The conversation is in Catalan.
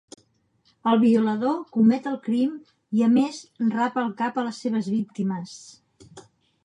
El violador comet el crim i a més rapa el cap a les seves víctimes.